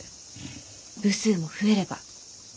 部数も増えれば。